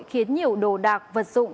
khiến nhiều đồ đạc vật dụng